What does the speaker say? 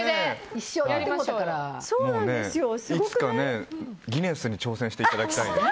いつか、ギネスに挑戦していただきたいね。